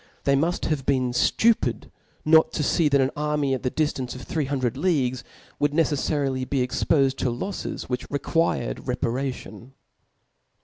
They mull: have been ftupid not to fee, that an army at the diftance of three hundred leagues would necefliarily be expofed to lofies^ yirhich required repar^tioq.